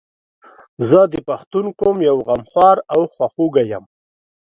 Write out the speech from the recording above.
زه د پښتون قوم یو غمخوار او خواخوږی یم